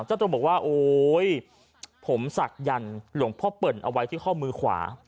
เจ้าตัวบอกว่าโอ๊ยผมศักดิ์หลวงพ่อเปิ่นเอาไว้ที่ข้อมือขวา